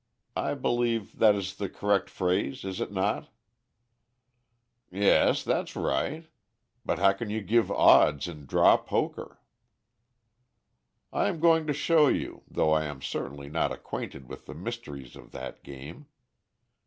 I believe that is the correct phrase, is it not?" "Yes, that's right; but how can you give odds in draw poker?" "I am going to show you, though I am certainly not acquainted with the mysteries of that game.